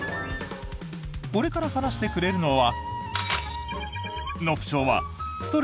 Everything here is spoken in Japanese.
これから話してくれるのは。